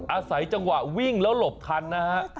อาศัยจังหวะวิ่งแล้วหลบทันนะฮะ